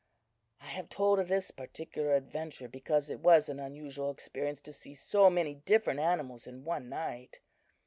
I have told of this particular adventure, because it was an unusual experience to see so many different animals in one night.